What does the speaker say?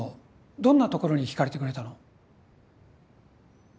どんなところに引かれてくれたの？